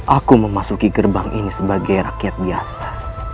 aku memasuki gerbang ini sebagai rakyat biasa